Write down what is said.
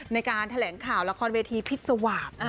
ในการแถลงข่าวละครเวทีพิษวาส